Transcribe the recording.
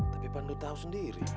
tapi pandu tau sendiri